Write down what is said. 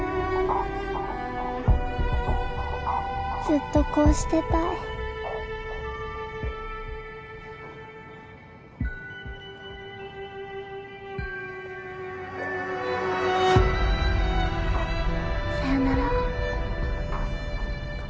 ずっとこうしていたい。さようなら。